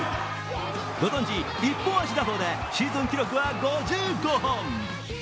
ご存じ、一本足打法でシーズン記録は５５本。